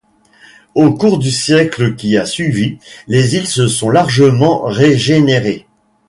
Au cours du siècle qui a suivi, les îles se sont largement régénérées.